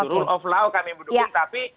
rule of law kami mendukung tapi